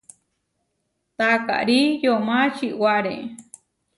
Taakári yomá čiwáre.